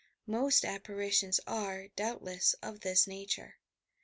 Most apparitions are, doubtless, of this nature.